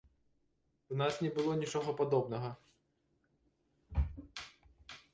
У нас не было нічога падобнага?